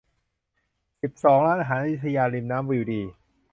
สิบสอง ร้านอาหารอยุธยา ริมน้ำ วิวดี